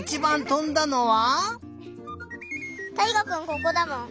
たいがくんここだもん。